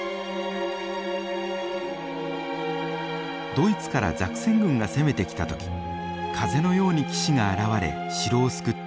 ドイツからザクセン軍が攻めてきた時風のように騎士が現れ城を救った。